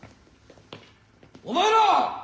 お前ら！